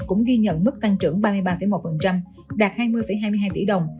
cũng ghi nhận mức tăng trưởng ba mươi ba một đạt hai mươi hai mươi hai tỷ đồng